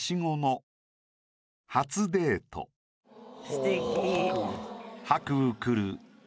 すてき。